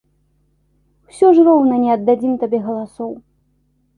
— Усё ж роўна не аддадзім табе галасоў.